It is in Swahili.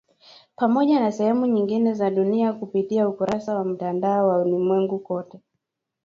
Pamoja na sehemu nyingine za dunia kupitia ukurasa wa Mtandao wa Ulimwenguni Kote